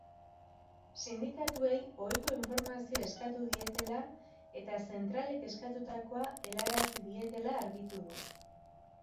Sindikatuei ohiko informazioa eskatu dietela eta zentralek eskatutakoa helarazi dietela argitu du.